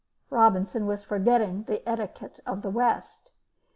Robinson was forgetting the etiquette of the West.